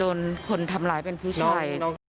โดนคนทำร้ายเป็นผู้ชาย